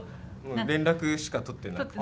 連絡しか取ってなくて。